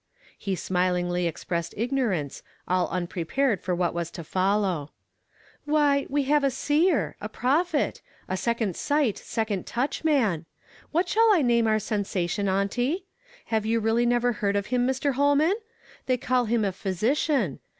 He smilingly expressed ignorance, all unpre pared for wliat was to follow. " Why, we have a seer, a prophet, — a second sight, second touch man. What sliall I name our sensation, auntie? J lave you really never heard of him, Mr. Holman ? They call him a physician.